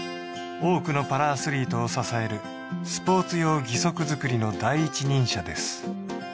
多くのパラアスリートを支えるスポーツ用義足作りの第一人者です